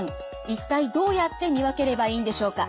一体どうやって見分ければいいんでしょうか？